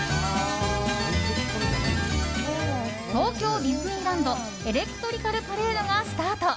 東京ディズニーランド・エレクトリカルパレードがスタート。